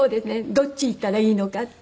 どっち行ったらいいのかって。